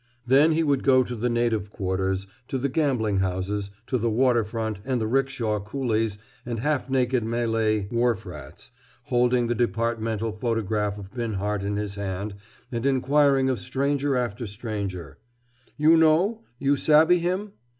Then he would go to the native quarters, to the gambling houses, to the water front and the rickshaw coolies and half naked Malay wharf rats, holding the departmental photograph of Binhart in his hand and inquiring of stranger after stranger: "You know? You savvy him?"